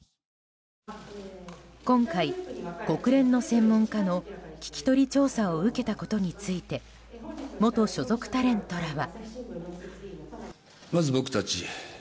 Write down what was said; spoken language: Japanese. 今回、国連の専門家の聞き取り調査を受けたことについて元所属タレントらは。